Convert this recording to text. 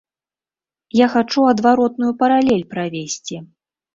Я хачу адваротную паралель правесці.